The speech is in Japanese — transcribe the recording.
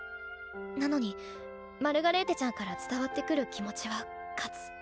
なのにマルガレーテちゃんから伝わってくる気持ちは「勝つ」。